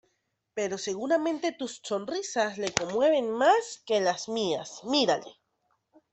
pero seguramente tus sonrisas le conmueven más que las mías... ¡ mírale!